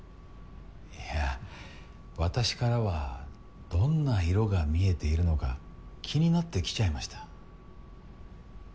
いや私からはどんな色が見えているのか気になって来ちゃいました。